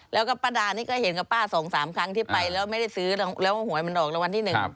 แล้วก็ป้าดานี่ก็เห็นกับป้าสองสามครั้งที่ไปแล้วไม่ได้ซื้อแล้วหวยมันออกรางวัลที่๑